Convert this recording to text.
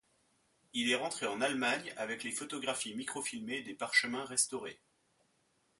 Il est rentré en Allemagne avec les photographies microfilmées des parchemins restaurés.